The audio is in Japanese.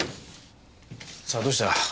さあどうした？